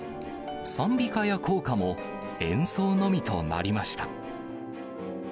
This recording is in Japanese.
讃美歌や校歌も、演奏のみとなりました。